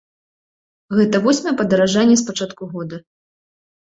Гэта восьмае падаражанне з пачатку года.